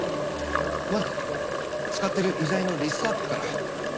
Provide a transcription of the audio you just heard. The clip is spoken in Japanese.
まず使っている医材のリストアップから。